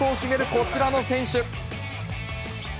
こちらの選手。